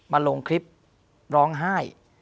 มาลงคลิปร้องไห้